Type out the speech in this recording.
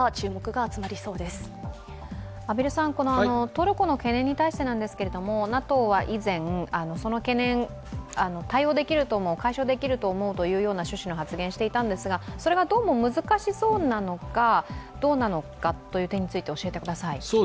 トルコの懸念に対してなんですけどＮＡＴＯは以前、この懸念、対応できると思う、解消できると思うという趣旨の発言をしていたんですがそれがどうも難しそうなのかどうなのかという点について教えてください。